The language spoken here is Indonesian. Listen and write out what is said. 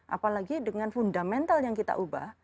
apalagi dengan fundamental yang kita ubah